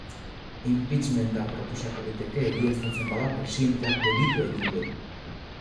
Impeachment-a proposatu liteke egiaztatzen bada presidenteak delitua egin duela.